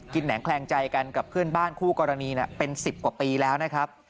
แหนงแคลงใจกันกับเพื่อนบ้านคู่กรณีเป็น๑๐กว่าปีแล้วนะครับ